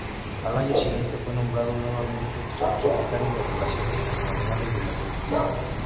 Al año siguiente, fue nombrado nuevamente subsecretario de Relaciones Internacionales de la colectividad.